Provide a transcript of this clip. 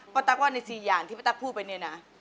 ตั๊กว่าใน๔อย่างที่ป้าตั๊กพูดไปเนี่ยนะ